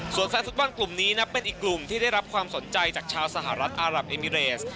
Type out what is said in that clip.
ส่วนแฟนฟุตบอลกลุ่มนี้นับเป็นอีกกลุ่มที่ได้รับความสนใจจากชาวสหรัฐอารับเอมิเรส